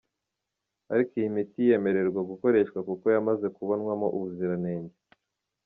Ariko iyi miti yemererwa gukoreshwa kuko yamaze kubonwaho ubuziranenge.